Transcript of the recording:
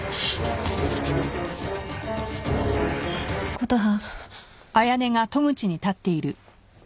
・琴葉。